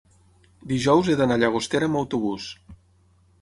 dijous he d'anar a Llagostera amb autobús.